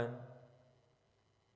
yang diikuti dengan sulitnya mencari pupuk